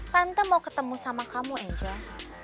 tante mau ketemu sama kamu angel